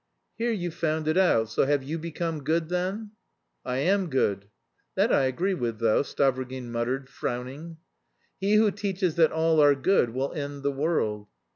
"Here you've found it out, so have you become good then?" "I am good." "That I agree with, though," Stavrogin muttered, frowning. "He who teaches that all are good will end the world."